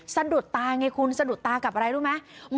สะดุดตาไงคุณสะดุดตากับอะไรรู้ไหม